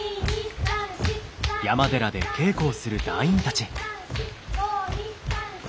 ３２３４。